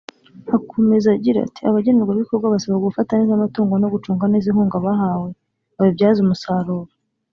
Akomeza agira ati “Abagenerwabikorwa basabwa gufata neza amatungo no gucunga neza inkunga bahawe babibyaze umusaruro